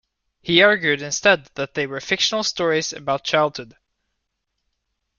He argued instead that they were fictional stories about childhood.